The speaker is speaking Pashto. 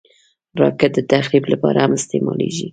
راکټ د تخریب لپاره هم استعمالېږي